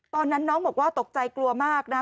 ตอนนั้นน้องบอกว่าตกใจกลัวมากนะ